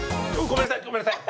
ごめんなさい。